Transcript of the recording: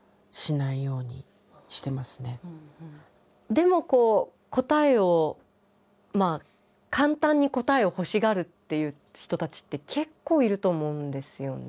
でも答えを簡単に答えを欲しがるっていう人たちって結構いると思うんですよね。